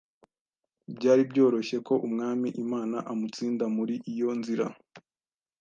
byari byoroshye ko Umwami Imana amutsinda muri iyo nzira